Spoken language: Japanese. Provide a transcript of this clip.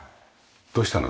どうしたの？